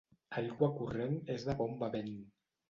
Aigua corrent és de bon bevent.